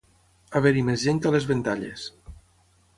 Haver-hi més gent que a les Ventalles.